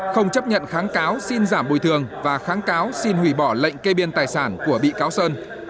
không chấp nhận kháng cáo xin giảm bồi thường và kháng cáo xin hủy bỏ lệnh kê biên tài sản của bị cáo sơn